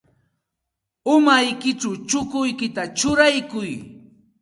Umaykićhaw chukuykita churaykuy.